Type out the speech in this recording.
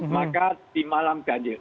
maka di malam ganjil